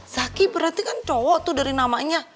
sakit berarti kan cowok tuh dari namanya